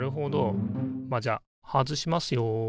まあじゃあ外しますよ。